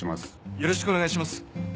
よろしくお願いします。